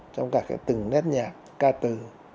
trong cả cái từng nét nhạc ca từ